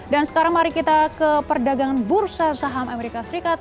dan sekarang mari kita ke perdagangan bursa saham amerika serikat